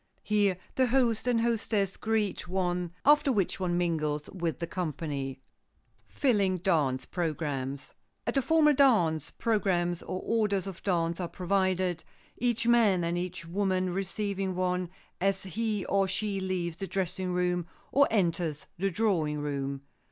Here the host and hostess greet one, after which one mingles with the company. [Sidenote: FILLING DANCE PROGRAMS] At a formal dance, programs or orders of dance are provided, each man and each woman receiving one as he or she leaves the dressing room or enters the drawing room.